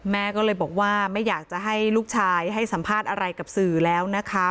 แม่ก็เลยบอกว่าไม่อยากจะให้ลูกชายให้สัมภาษณ์อะไรกับสื่อแล้วนะคะ